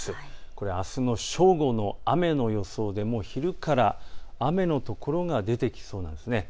これはあすの正午の雨の予想で昼から雨の所が出てきそうです。